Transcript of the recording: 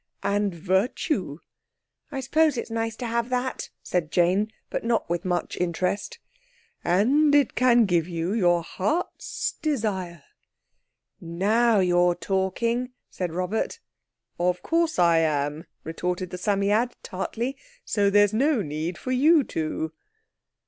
"And virtue." "I suppose it's nice to have that," said Jane, but not with much interest. "And it can give you your heart's desire." "Now you're talking," said Robert. "Of course I am," retorted the Psammead tartly, "so there's no need for you to."